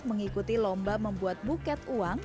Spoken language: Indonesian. mengikuti lomba membuat buket uang